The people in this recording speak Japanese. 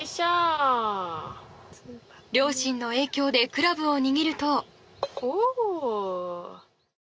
両親の影響でクラブを握ると。